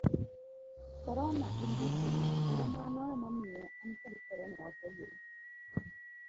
corona en Jachien, kendo mano emomiyo an kod corona wapogore